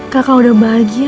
kakak udah bahagia